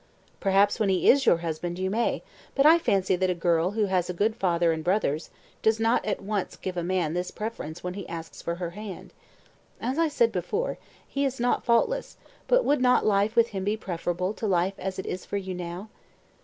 "Perhaps when he is your husband you may, but I fancy that a girl who has a good father and brothers, does not at once give a man this preference when he asks for her hand. As I said before, he is not faultless, but would not life with him be preferable to life as it is for you now?"